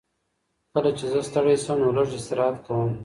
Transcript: کله چې زه ستړی شم نو لږ استراحت کوم.